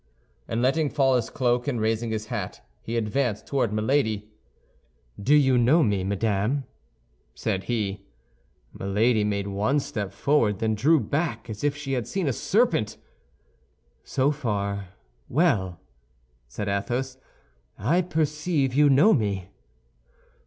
And letting fall his cloak and raising his hat, he advanced toward Milady. "Do you know me, madame?" said he. Milady made one step forward, and then drew back as if she had seen a serpent. "So far, well," said Athos, "I perceive you know me."